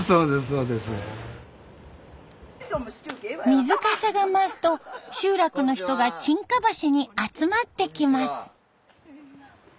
水かさが増すと集落の人が沈下橋に集まってきます。